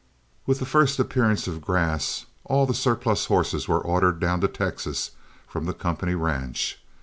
With the first appearance of grass, all the surplus horses were ordered down to Texas from the company ranch.